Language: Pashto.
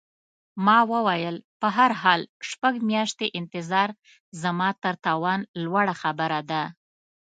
ما وویل: په هر حال، شپږ میاشتې انتظار زما تر توان لوړه خبره ده.